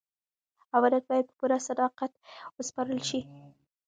امانت باید په پوره صداقت وسپارل شي.